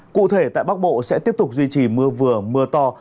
cụ thể tại bắc bộ sẽ tiếp tục duy trì mưa vừa mưa to